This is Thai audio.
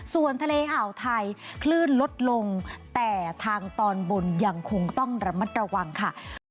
ส่วนทะเลอ่าวไทยคลื่นลดลงแต่ทางตอนบนยังคงต้องระมัดระวังค่ะ